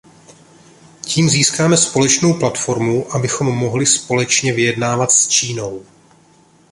Tím získáme společnou platformu, abychom mohli společně vyjednávat s Čínou.